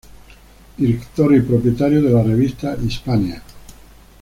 Director y propietario de la revista "Hispania".